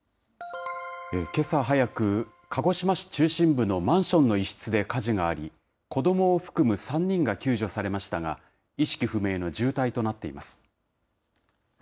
けさ早く、鹿児島市中心部のマンションの一室で火事があり、子どもを含む３人が救助されましたが、意識不明の重体となっています。